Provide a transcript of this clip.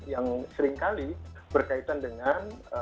yang seringkali berkaitan dengan